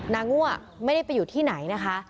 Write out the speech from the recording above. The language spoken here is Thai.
นางงั่วไม่ได้ไปอยู่ที่ไหนนะคะ